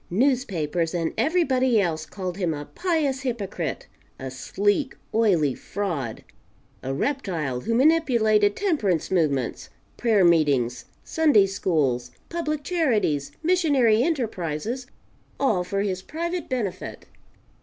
Newspapers and everybody else called him a pious hypocrite, a sleek, oily fraud, a reptile who manipulated temperance movements, prayer meetings, Sunday schools, public charities, missionary enterprises, all for his private benefit.